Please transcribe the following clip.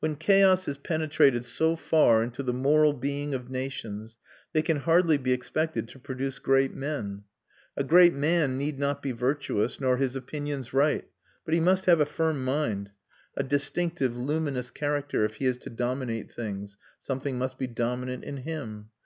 When chaos has penetrated so far into the moral being of nations they can hardly be expected to produce great men. A great man need not be virtuous, nor his opinions right, but he must have a firm mind, a distinctive, luminous character; if he is to dominate things, something must be dominant in him.